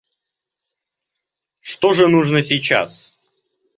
Что же нужно сейчас?